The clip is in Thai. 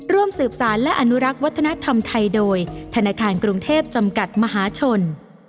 ร่วมสืบสารและอนุรักษ์วัฒนธรรมไทยโดยธนาคารกรุงเทพจำกัดมหาชน